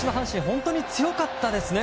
本当に強かったですね。